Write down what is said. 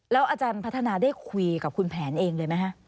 อาจารย์พัฒนาได้คุยกับคุณแผนเองเลยไหมคะ